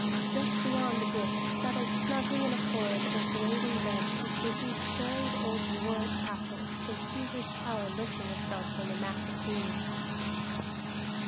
Just beyond the bridge, settled snugly in a forest of waving branches, we see storied old Warwick Castle, with Cæsar's Tower lifting itself from the mass of green.